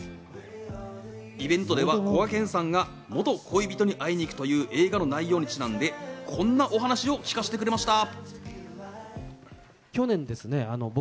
イベントではこがけんさんが元恋人に会いに行くという映画の内容にちなんで、こんなお話を聞かせてくれました。